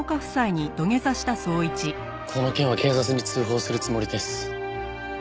この件は警察に通報するつもりです。